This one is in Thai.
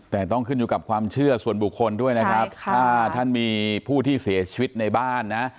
แต่ต้องขึ้นอยู่กับความเชื่อส่วนบุคคลด้วยนะครับถ้าท่านมีผู้ที่เสียชีวิตในบ้านนะ